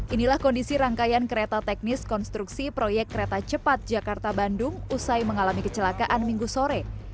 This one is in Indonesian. inilah kondisi rangkaian kereta teknis konstruksi proyek kereta cepat jakarta bandung usai mengalami kecelakaan minggu sore